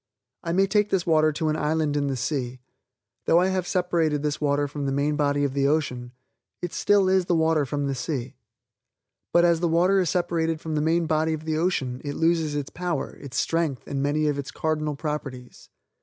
I may take this water to an island in the sea. Though I have separated this water from the main body of the ocean, it still is the water from the sea. But, as the water is separated from the main body of the ocean, it loses its power, its strength and many of its cardinal properties.